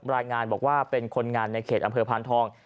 รายงานบอกว่าเป็นคนงานในเขตอำเภอพานทอง